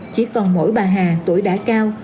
chỉ còn mỗi bà hà tuổi đã cao